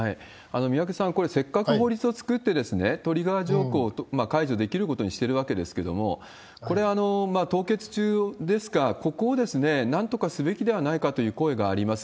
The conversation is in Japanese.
宮家さん、これ、せっかく法律を作って、トリガー条項を解除できることにしてるわけですけれども、これ、凍結中ですが、ここをなんとかすべきではないかという声があります。